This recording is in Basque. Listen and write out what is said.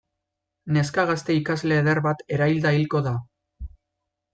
Neska gazte ikasle eder bat erailda hilko da.